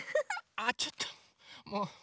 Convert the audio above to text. あっちょっともう。